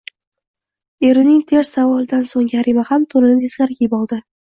Erining ters savolidan so`ng Karima ham to`nini teskari kiyib oldi